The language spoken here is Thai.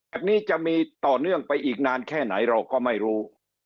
อันนี้จะมีต่อเนื่องไปอีกนานแค่ไหนเราก็ไม่รู้